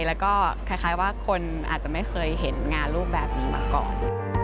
แล้วก็คล้ายว่าคนอาจจะไม่เคยเห็นงานรูปแบบนี้มาก่อน